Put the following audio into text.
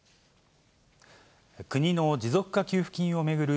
国の持続化給付金を巡る